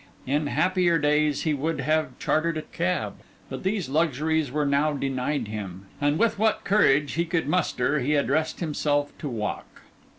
In happier days he would have chartered a cab; but these luxuries were now denied him; and with what courage he could muster he addressed himself to walk.